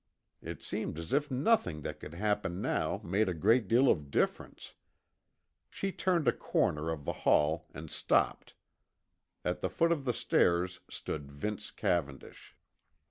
It seemed as if nothing that could happen now made a great deal of difference. She turned a corner of the hall and stopped. At the foot of the stairs stood Vince Cavendish.